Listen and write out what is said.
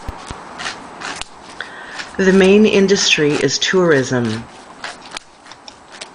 The main industry is tourism.